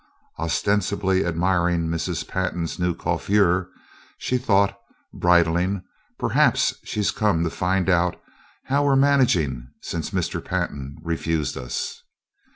Ostensibly admiring Mrs. Pantin's new coiffure, she thought, bridling, "Perhaps she's come to find out how we're managing since Mr. Pantin refused us."